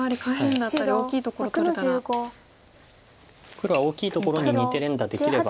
黒は大きいところに２手連打できれば。